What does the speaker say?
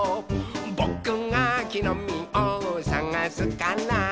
「ぼくがきのみをさがすから」